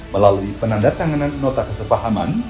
melalui penandatanganan nota kesepahaman